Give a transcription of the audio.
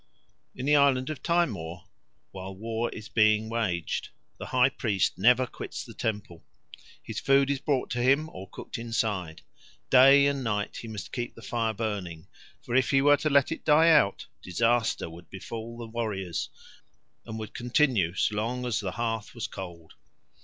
In the island of Timor, while war is being waged, the high priest never quits the temple; his food is brought to him or cooked inside; day and night he must keep the fire burning, for if he were to let it die out, disaster would be fall the warriors and would continue so long as the hearth was cold.